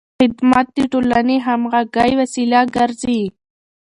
خدمت د ټولنې د همغږۍ وسیله ګرځي.